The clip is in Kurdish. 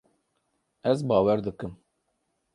Ez bawer dikim.